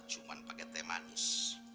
cuma pake teh manis